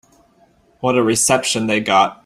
What a reception they got.